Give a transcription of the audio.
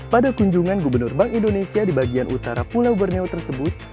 pada kunjungan gubernur bank indonesia di bagian utara pulau borneo tersebut